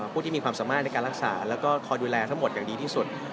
ผู้ที่มีความสามารถในการรักษาแล้วก็คอยดูแลทั้งหมดอย่างดีที่สุด